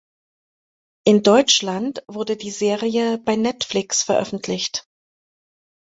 In Deutschland wurde die Serie bei Netflix veröffentlicht.